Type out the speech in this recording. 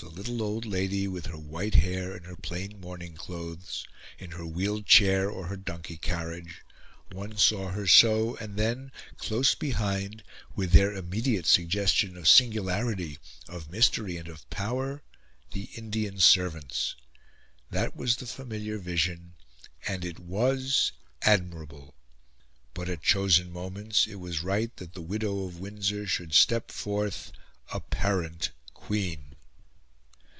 The little old lady, with her white hair and her plain mourning clothes, in her wheeled chair or her donkey carriage one saw her so; and then close behind with their immediate suggestion of singularity, of mystery, and of power the Indian servants. That was the familiar vision, and it was admirable; but, at chosen moments, it was right that the widow of Windsor should step forth apparent Queen.